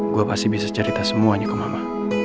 gue pasti bisa cerita semuanya ke mama